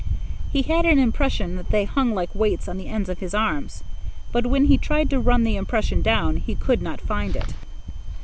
He had an impression that they hung like weights on the ends of his arms, but when he tried to run the impression down, he could not find it.